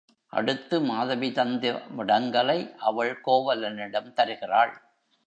அடுத்து மாதவி தந்த முடங்கலை அவள் கோவலனிடம் தருகிறாள்.